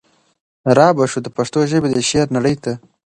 را به شو د پښتو ژبي د شعر نړۍ ته